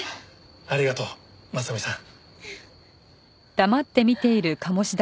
ありがとう真実さん。